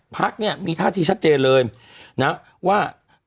พักเนี่ยมีท่าทีชัดเจนเลยนะว่า